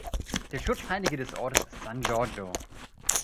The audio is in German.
Der Schutzheilige des Ortes ist San Giorgio.